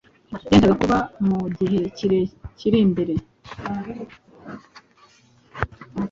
byendaga kuba mu gihe kiri imbere.